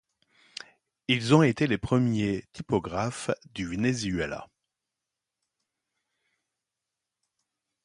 Ils ont été les premiers typographes du Venezuela.